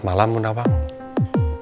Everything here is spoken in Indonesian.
sampai jumpa lagi